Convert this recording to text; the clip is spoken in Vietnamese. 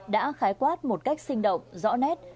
đã khái quát một cách sinh động rõ nét